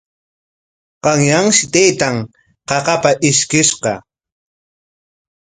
Qanyanshi taytan qaqapa ishkishqa.